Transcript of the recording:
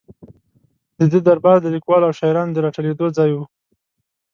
د ده دربار د لیکوالو او شاعرانو د را ټولېدو ځای و.